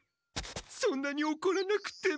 そんなにおこらなくても。